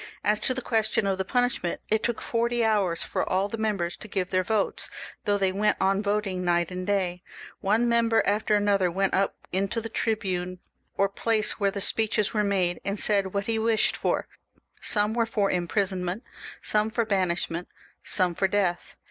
As to the question of the punishment, it took forty hours for all the members to give their votes, though they went on voting night and day. One member after another went up into the tribunal, or place where the speeches were made, and said what he wished for; some were for impri sonment, some for banishment, some for death.